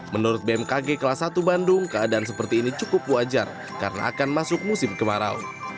menurut bmkg kelas satu bandung keadaan seperti ini cukup wajar karena akan masuk musim kemarau